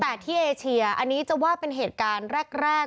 แต่ที่เอเชียอันนี้จะว่าเป็นเหตุการณ์แรก